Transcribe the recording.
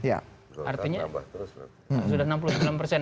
artinya sudah enam puluh sembilan persen